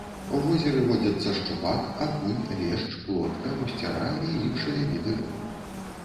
У возеры водзяцца шчупак, акунь, лешч, плотка, гусцяра і іншыя віды рыб.